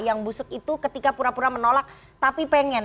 yang busuk itu ketika pura pura menolak tapi pengen